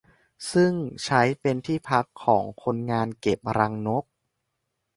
ซึ่งใช้เป็นที่พักของคนงานเก็บรังนก